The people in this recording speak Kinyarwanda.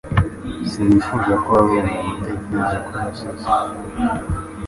Sinifuzaga ko hagira umuntu utekereza ko nasaze